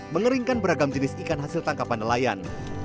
mengeringkan beragam jenis ikan hasil tangkapan nelayan